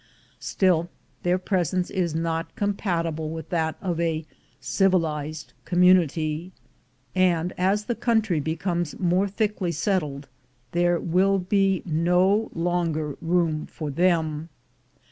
Still their presence is not com patible with that of a civilized community, and, as the country becomes more thickly settled, there will be no longer room for them.